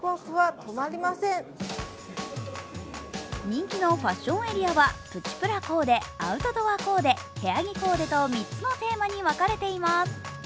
人気のファッションエリアはプチプラコーデ、アウトドアコーデ、部屋着コーデと３つのテーマに分かれています。